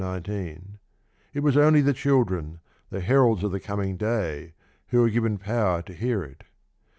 119) it was only the children, the heralds of the coming day, who were given power to hear it.